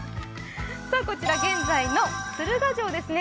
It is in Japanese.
こちら、現在の鶴ヶ城ですね